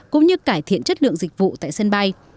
cũng như cải thiện chất lượng dịch vụ tại sân bay